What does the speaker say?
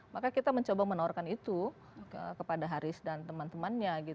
maka kita mencoba menawarkan itu kepada haris dan teman temannya